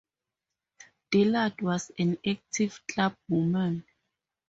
Dillard was an active clubwoman.